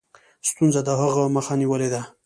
ستونزو د هغه مخه نیولې ده.